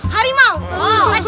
harimau macem mana kalian nanti